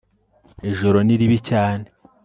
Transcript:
Ijoro ni ribi cyane